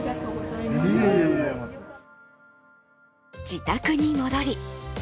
自宅に戻り